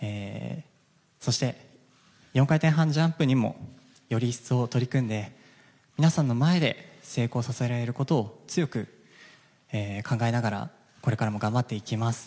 そして、４回転半ジャンプにもより一層取り組んで皆さんの前で成功させられることを強く考えながらこれからも頑張っていきます。